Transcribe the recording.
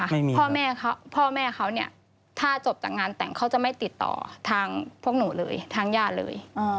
ไม่มีพ่อแม่เขาพ่อแม่เขาเนี่ยถ้าจบจากงานแต่งเขาจะไม่ติดต่อทางพวกหนูเลยทางญาติเลย